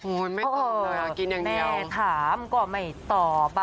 โอ้แม่ถามก็ไม่ตอบ